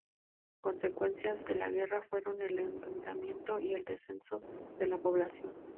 Consecuencias de la guerra fueron el endeudamiento y el descenso de la población.